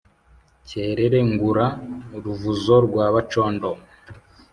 Cyerere ngura Ruvuzo rwa Bacondo